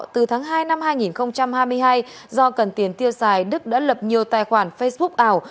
từ tháng hai năm hai nghìn hai mươi hai do cần tiền tiêu xài đức đã lập nhiều tài khoản facebook ảo